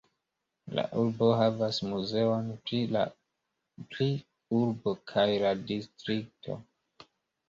La urbo havas muzeon pri urbo kaj la distrikto.